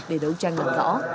để đấu tranh đặt rõ